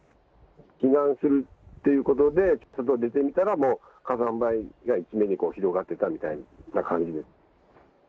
避難するっていうことで、外出てみたら、もう火山灰が一面に広がってたみたいな感じです。